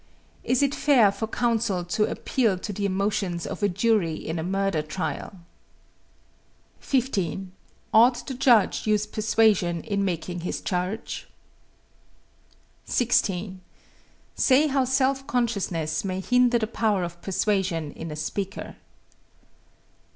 Is it fair for counsel to appeal to the emotions of a jury in a murder trial? 15. Ought the judge use persuasion in making his charge? 16. Say how self consciousness may hinder the power of persuasion in a speaker.